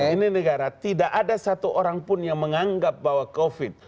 ini negara tidak ada satu orang pun yang menganggap bahwa covid